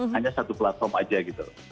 hanya satu platform aja gitu